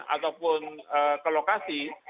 ataupun ke lokasi